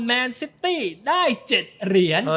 แมนซิตี้ได้๗เหรียญ